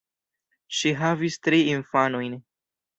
Ŝi havis tri infanojn.